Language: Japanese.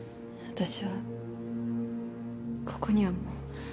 私はここにはもう。